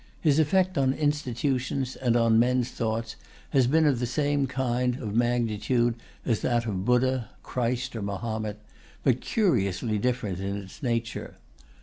His effect on institutions and on men's thoughts has been of the same kind of magnitude as that of Buddha, Christ, or Mahomet, but curiously different in its nature.